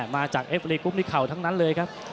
มาจากเอฟรีกรุ๊ปนี่เข่าทั้งนั้นเลยครับ